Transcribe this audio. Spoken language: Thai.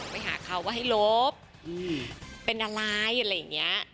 ไปหาเขาว่าให้ลบเป็นอะไรอะไรอย่างนี้